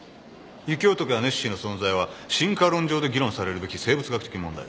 雪男やネッシーの存在は進化論上で議論されるべき生物学的問題だ。